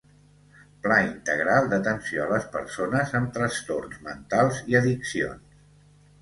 Pla integral d'atenció a les persones amb trastorns mentals i addiccions.